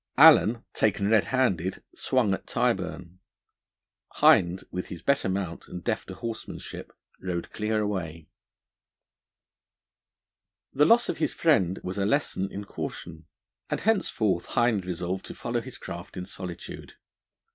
Allen, taken red handed, swung at Tyburn; Hind, with his better mount and defter horsemanship, rode clear away. The loss of his friend was a lesson in caution, and henceforth Hind resolved to follow his craft in solitude.